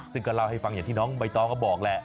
ซึ่งก็เล่าให้ฟังอย่างที่น้องใบตองก็บอกแหละ